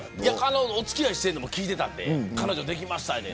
お付き合いしているのも聞いていたんで彼女できましたって。